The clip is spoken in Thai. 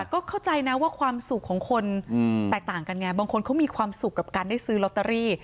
ก็เข้าใจนะว่าความสุขของคนแตกต่างกันไงบางคนเขามีความสุขกับการได้ซื้อลอตเตอรี่